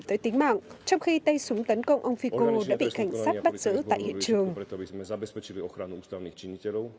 tới tính mạng trong khi tay súng tấn công ông fico đã bị cảnh sát bắt giữ tại hiện trường